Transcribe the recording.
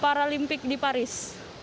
paralimpik di paris